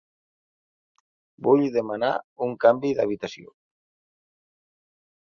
Vull demanar un canvi d'habitació.